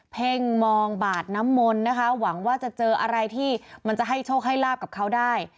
เพ่งมองบาดน้ำมนต์นะคะหวังว่าจะเจออะไรที่มันจะให้โชคให้ลาบกับเขาได้